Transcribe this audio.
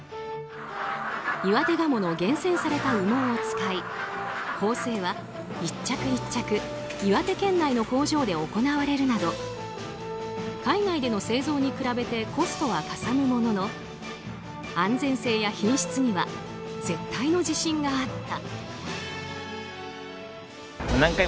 岩手ガモの厳選された羽毛を使い縫製は１着１着岩手県内の工場で行われるなど海外での製造に比べてコストはかさむものの安全性や品質には絶対の自信があった。